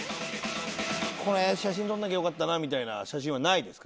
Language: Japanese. これ写真撮らなきゃよかったなみたいな写真はないですか？